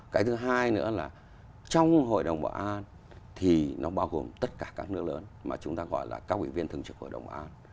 cái thứ hai nữa là trong hội đồng bảo an thì nó bao gồm tất cả các nước lớn mà chúng ta gọi là các ủy viên thường trực hội đồng bảo an